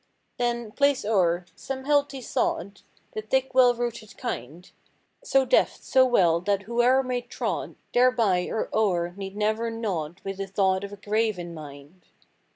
Then, place o'er—some healthy sod— The thick well rooted kind; So deft, so well that whoe'er may trod Thereby or o'er need never nod With the thought of a grave in mind.